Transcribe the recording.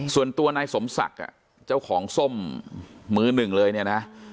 ส่วนตัวนายสมศักดิ์เจ้าของส้มมือหนึ่งเลยเนี่ยนะ